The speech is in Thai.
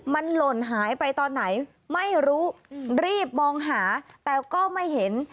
มันหล่นหายไปตอนไหนไม่รู้รีบมองหาแต่ก็ไม่เห็น